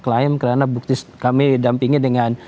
klaim karena kami dampingi dengan